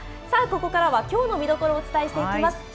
さあ、ここからはきょうの見どころをお伝えしていきます。